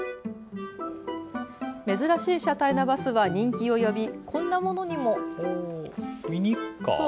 珍しい車体のバスは人気を呼びこんなものにも。